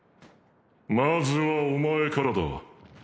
まずはお前からだ。